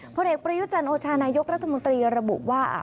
ผลเอกประยุจันโอชานายกรัฐมนตรีระบุว่า